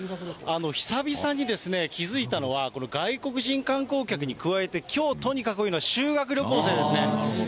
久々に気付いたのは、外国人観光客に加えて、きょうとにかく多いのは修学旅行生ですね。